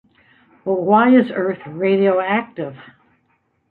But why is Earth radioactive?